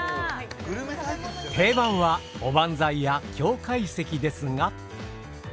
定番はおばんざいや京懐石ですが。